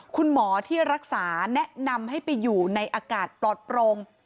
คุณหมอที่รักษาแนะนำให้ไปอยู่ในอากาศปลอดโปร่ง